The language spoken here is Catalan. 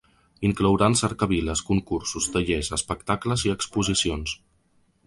Inclouran cercaviles, concursos, tallers, espectacles i exposicions.